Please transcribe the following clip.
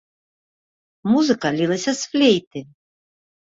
Музыка лілася з флейты.